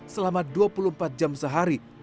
selama dua puluh empat jam sehari